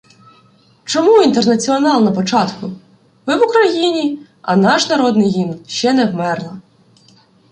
— Чому "Інтернаціонал" напочатку? Ви в Україні, а наш народний гімн "Ще не вмерла.